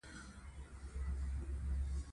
لار ښودونکی دی له الله تعالی څخه ډاريدونکو ته